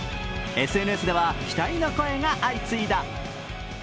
ＳＮＳでは期待の声が相次いだ。